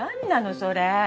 それ。